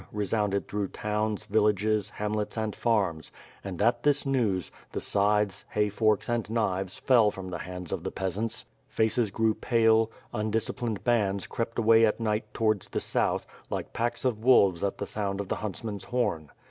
resounded through towns, villages, hamlets and farms, and, at this news, the scythes, hay forks and knives fell from the hands of the peasants; faces grew pale, undisciplined bands crept away at night towards the south, like packs of wolves at the sound of the huntsman's horn.